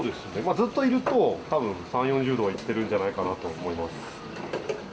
ずっといると多分３０４０度はいってるんじゃないかと思います。